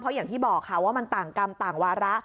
อย่างที่บอกค่ะว่ามันต่างกรรมต่างวาระ